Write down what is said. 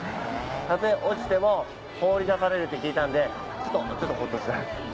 たとえ落ちても放り出されるって聞いたんでちょっとほっとした。